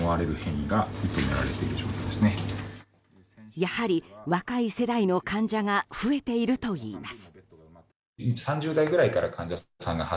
やはり若い世代の患者が増えているといいます。